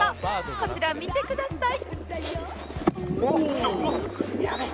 こちら見てください